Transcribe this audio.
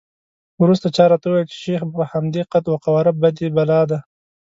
وروسته چا راته وویل چې شیخ په همدې قد وقواره بدي بلا دی.